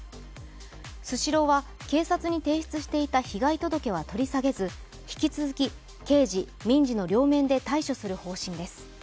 スシローは、警察に提出していた被害届は取り下げず、引き続き、刑事・民事の両面で対処する方針です。